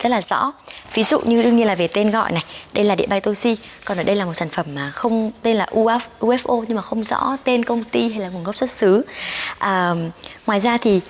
rất là công khai